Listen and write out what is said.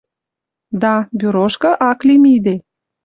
Да, бюрошкы ак ли миде.